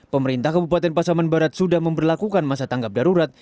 pemerintah kabupaten pasaman barat sudah memperlakukan masa tanggap darurat